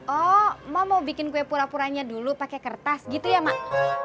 oh mama mau bikin kue pura puranya dulu pakai kertas gitu ya mak